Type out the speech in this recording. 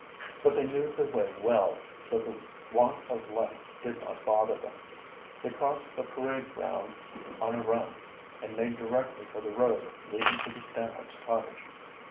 But they knew the way well, so the want of light did hot bother them. They crossed the parade ground on a run and made directly for the road leading to the Stanhopes' cottage.